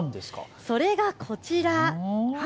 それがこちら。